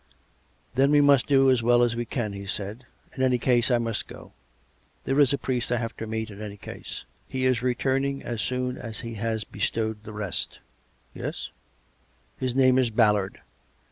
" Then we must do as well as we can," he said. " In any case, I must go. There is a priest I have to meet in any case; he is returning as soon as he has bestowed the rest." "Yes?" " His name is Ballard.